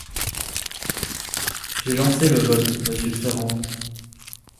J’ai lancé le vote, monsieur Ferrand.